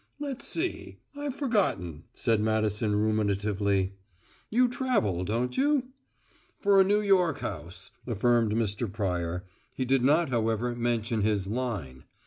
"Let's see I've forgotten," said Madison ruminatively. "You travel, don't you?" "For a New York house," affirmed Mr. Pryor. He did not, however, mention his "line."